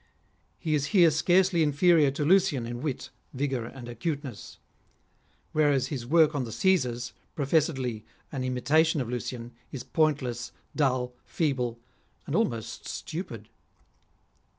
He is here scarcely inferior to Lucian in wit, vigour, and acuteness ; whereas his work on the Caesars, professedly an imitation of Lucian, is pointless, dull, feeble, and almost stupid.